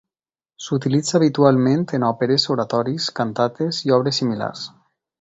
S'utilitza habitualment en òperes, oratoris, cantates i obres similars.